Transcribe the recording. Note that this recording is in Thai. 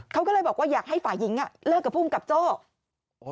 เขาก็เลยบอกว่าอยากให้ฝ่ายหญิงเลิกกับภูมิกับโจ้